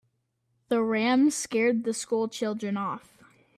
The ram scared the school children off.